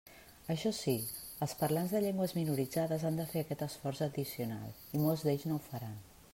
Això sí, els parlants de llengües minoritzades han de fer aquest esforç addicional, i molts d'ells no ho faran.